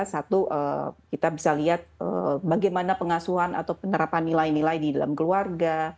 satu kita bisa lihat bagaimana pengasuhan atau penerapan nilai nilai di dalam keluarga